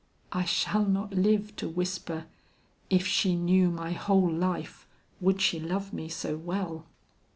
"I shall not live to whisper, 'If she knew my whole life, would she love me so well?'"